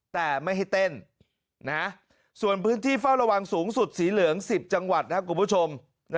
แต่ไม่ให้เต้นส่วนพื้นที่เฝ้าระวังสูงสุดสีเหลือง๑๐จังหวัดนะครับคุณผู้ชม